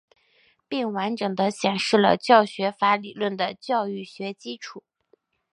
并完整地显示了教学法理论的教育学基础。